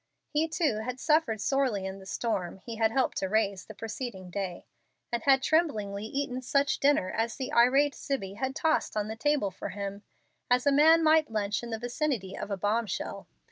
He, too, had suffered sorely in the storm he had helped to raise the preceding day, and had tremblingly eaten such dinner as the irate Zibbie had tossed on the table for him, as a man might lunch in the vicinity of a bombshell.